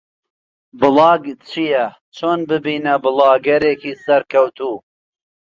بڵاگ چییە؟ چۆن ببینە بڵاگەرێکی سەرکەوتوو؟